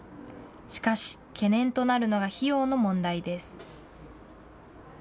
しかし、懸念となるのが費用の問題です。